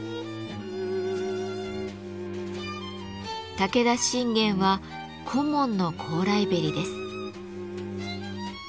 武田信玄は小紋の高麗縁です。